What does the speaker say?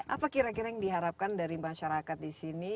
apa kira kira yang diharapkan dari masyarakat di sini